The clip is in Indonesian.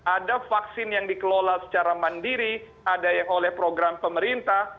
ada vaksin yang dikelola secara mandiri ada yang oleh program pemerintah